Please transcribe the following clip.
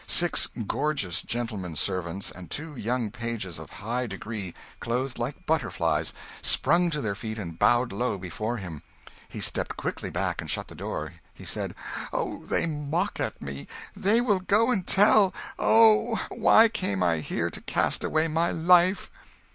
Six gorgeous gentlemen servants and two young pages of high degree, clothed like butterflies, sprang to their feet and bowed low before him. He stepped quickly back and shut the door. He said "Oh, they mock at me! They will go and tell. Oh! why came I here to cast away my life?"